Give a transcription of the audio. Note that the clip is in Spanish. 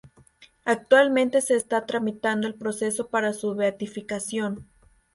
Actualmente se está tramitando el proceso para su beatificación.